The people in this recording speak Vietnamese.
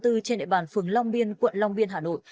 trên địa bàn phường long biên quận long biên hà nội